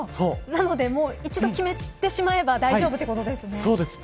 なので一度決めてしまえば大丈夫ということですね。